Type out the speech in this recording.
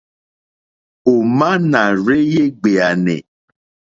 Ò má nà rzéyé ɡbèànè.